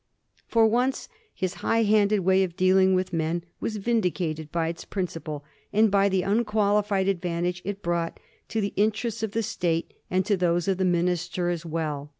For once his high handed way of dealing with men was vindicated by its principle and by the un qualified advantage it brought to the interests of the State and to those of the minister as well.